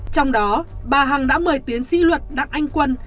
trong đó bà hằng đã mời tiến sĩ luật đặng anh quân